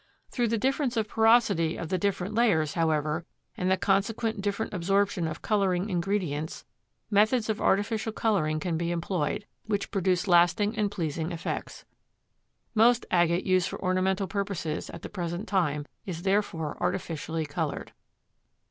Through the difference of porosity of the different layers, however, and the consequent different absorption of coloring ingredients, methods of artificial coloring can be employed, which produce lasting and pleasing effects. Most agate used for ornamental purposes at the present time is therefore artificially colored.